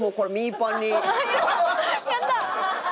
やったー！